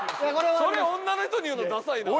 それ女の人に言うのダサいな。